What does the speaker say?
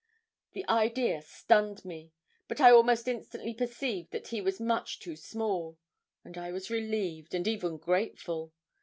The idea stunned me; but I almost instantly perceived that he was much too small, and I was relieved, and even grateful.